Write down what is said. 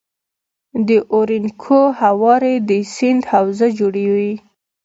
د اورینوکو هوارې د سیند حوزه جوړوي.